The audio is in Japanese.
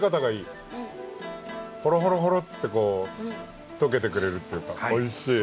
ホロホロホロってこう溶けてくれるっていうかおいしい。